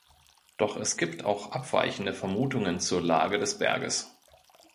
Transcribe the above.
Doch es gibt auch abweichende Vermutungen zur Lage des Berges.